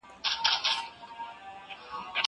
زه بايد پاکوالي وساتم.